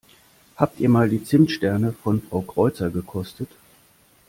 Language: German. Habt ihr mal die Zimtsterne von Frau Kreuzer gekostet?